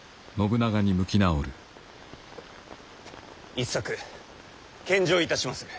一策献上いたしまする。